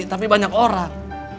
tapi banyak orang